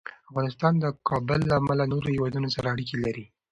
افغانستان د کابل له امله له نورو هېوادونو سره اړیکې لري.